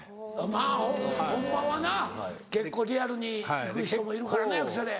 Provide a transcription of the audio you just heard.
まぁ本番はな結構リアルにいく人もいるからな役者で。